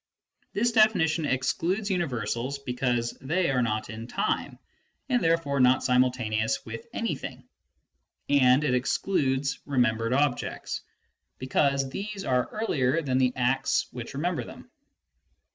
This definition excludes universals, be cause they are not in time and therefore not simultaneous with anything ; and it excludes remembered objects, because these are earlier than the acts which remember them.